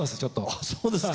あそうですか。